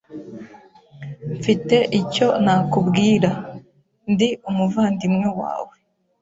Mfite icyo nakubwira. Ndi umuvandimwe wawe.